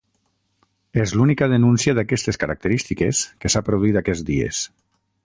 És l'única denúncia d'aquestes característiques que s'ha produït aquests dies